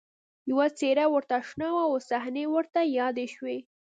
یوه څېره ورته اشنا وه او صحنې ورته یادې شوې